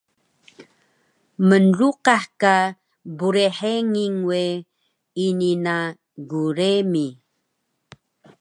Mnluqah ka brhengil we, ini na gremi